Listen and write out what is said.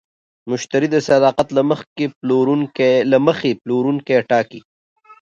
مشتری د صداقت له مخې پلورونکی ټاکي.